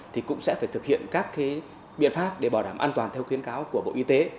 thì cũng sẽ phải thực hiện các biện pháp để bảo đảm an toàn theo khuyến cáo của bộ y tế